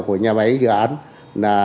của nhà máy dự án